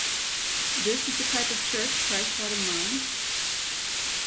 This is the type of church Christ had in mind?